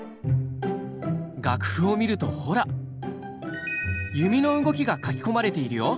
楽譜を見るとほら弓の動きが書き込まれているよ。